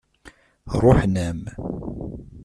Ṛuḥen-am.